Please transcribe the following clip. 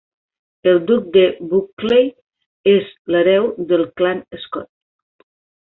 El duc de Buccleuch és l'hereu del clan Scott.